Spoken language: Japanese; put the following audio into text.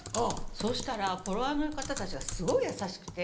そしたらフォロワーの方たちがすごい優しくて。